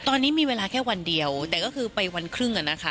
ตอนนี้มีเวลาแค่วันเดียวแต่ก็คือไปวันครึ่งอ่ะนะคะ